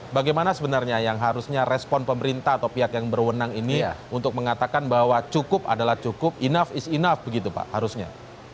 bagaimana sebenarnya yang harusnya respon pemerintah atau pihak yang berwenang ini untuk mengatakan bahwa cukup adalah cukup enough is enough begitu pak harusnya